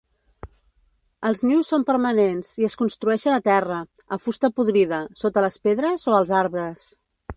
Els nius són permanents i es construeixen a terra, a fusta podrida, sota les pedres o als arbres.